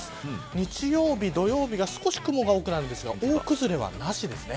日曜日、土曜日が少し雲が多くなりますが大崩れはなしです。